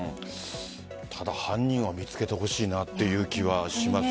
ただ、早く犯人を見つけてほしいなっていう気がしますね。